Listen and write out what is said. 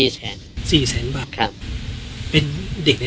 กินโทษส่องแล้วอย่างนี้ก็ได้